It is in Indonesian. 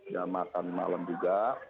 dan makan malam juga